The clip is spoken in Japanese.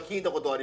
あ！